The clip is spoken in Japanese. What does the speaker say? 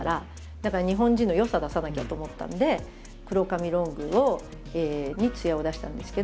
だから日本人の良さ出さなきゃと思ったんで黒髪ロングに艶を出したんですけど。